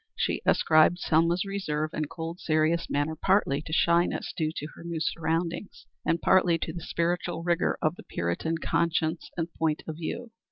She ascribed Selma's reserve, and cold, serious manner partly to shyness due to her new surroundings, and partly to the spiritual rigor of the puritan conscience and point of view.